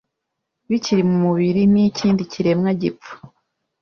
bikiri mu mubiri n'ikindi kiremwa gipfa